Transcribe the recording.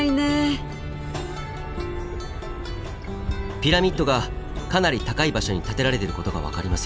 ピラミッドがかなり高い場所に建てられてることが分かりますよね。